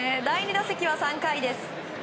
第２打席は３回です。